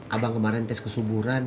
abang kemarin tes kesuburan